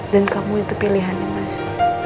dan kamu itu pilihannya mas